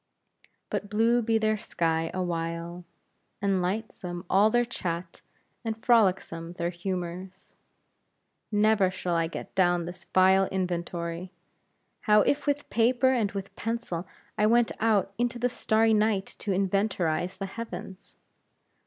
But blue be their sky awhile, and lightsome all their chat, and frolicsome their humors. Never shall I get down the vile inventory! How, if with paper and with pencil I went out into the starry night to inventorize the heavens?